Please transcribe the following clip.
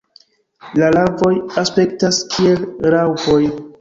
La larvoj aspektas kiel raŭpoj.